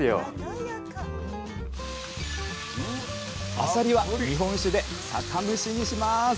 あさりは日本酒で酒蒸しにします